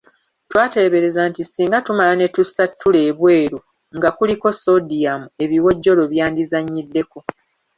Twateebereza nti singa tumala ne tussa ttule ebweru nga kuliko soodiyamu, ebiwojjolo byandizannyiddeko.